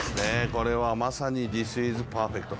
これはまさにディス・イズ・パーフェクト。